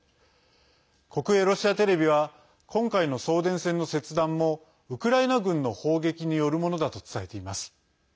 国営ロシアテレビは今回の送電線の切断もウクライナ軍の砲撃によるものだと伝えています。